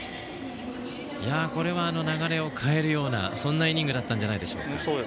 これは流れを変えるようなそんなイニングだったんじゃないでしょうか。